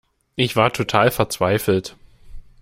Ich war total verzweifelt.